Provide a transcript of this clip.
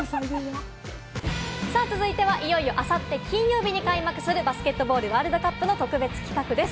続いては、いよいよあさって金曜日に開幕するバスケットボールワールドカップの特別企画です。